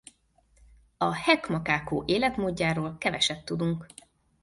A Heck-makákó életmódjáról keveset tudunk.